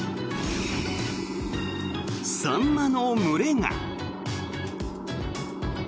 サンマの群れが。